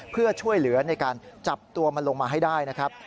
เพื่อช่วยเหลือในการจับตัวมันลงมาให้ได้นะครับ